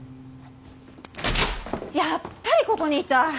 やっぱりここにいた！